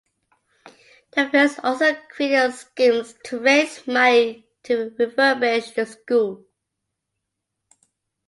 The Friends also created schemes to raise money to refurbish the schools.